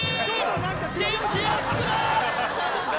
チェンジアップだ！